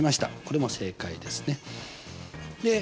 これも正解ですね。